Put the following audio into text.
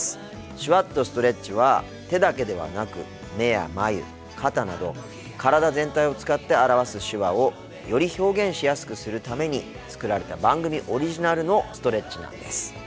「手話っとストレッチ」は手だけではなく目や眉肩など体全体を使って表す手話をより表現しやすくするために作られた番組オリジナルのストレッチなんです。